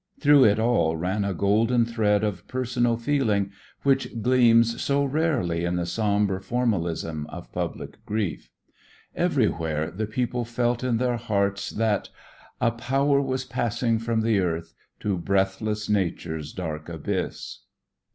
Through it all ran a golden thread of personal feeling which gleams so rarely in the somber formalism of public grief. Everywhere the people felt in their hearts that: A power was passing from the Earth To breathless Nature's dark abyss.